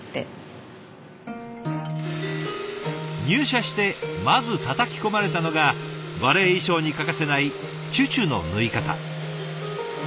入社してまずたたき込まれたのがバレエ衣裳に欠かせないチュチュの縫い方。